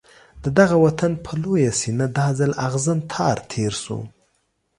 د دغه وطن پر لویه سینه دا ځل اغزن تار تېر شو.